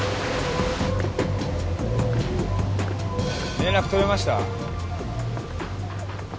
連絡取れました？